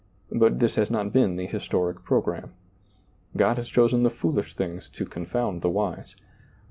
But this has not been the historic pro gramme, God has chosen the foolish things to confound the wise.